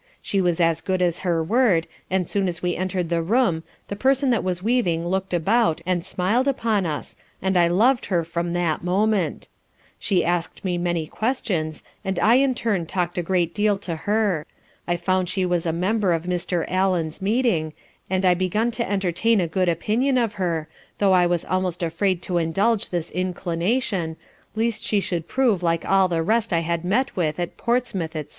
She was as good as her word, and as soon as we enter'd the room, the person that was weaving look'd about, and smiled upon us, and I loved her from that moment. She ask'd me many questions, and I in turn talk'd a great deal to her. I found she was a member of Mr. Allen's Meeting, and I begun to entertain a good opinion of her, though I was almost afraid to indulge this inclination, least she should prove like all the rest I had met with at Portsmouth, &c.